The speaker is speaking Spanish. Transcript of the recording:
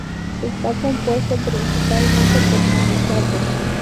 Está compuesto principalmente por silicatos.